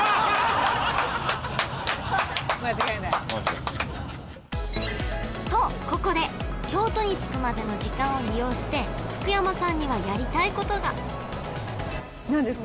間違いない間違いないとここで京都に着くまでの時間を利用して福山さんにはやりたいことが何ですか？